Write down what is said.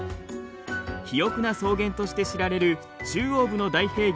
肥沃な草原として知られる中央部の大平原